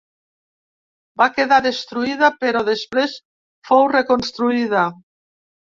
Va quedar destruïda però després fou reconstruïda.